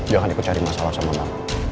jangan ikut cari masalah sama bank